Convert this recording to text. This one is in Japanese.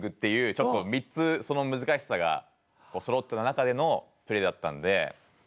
ちょっと３つ難しさがそろった中でのプレーだったんで。